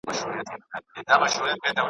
د خلوت له الاهو څخه سرسام سو .